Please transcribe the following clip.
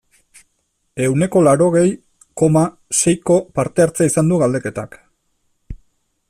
Ehuneko laurogei, koma, seiko parte-hartzea izan du galdeketak.